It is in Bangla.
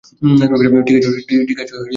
ঠিক আছে, তুমি আসতে পারো!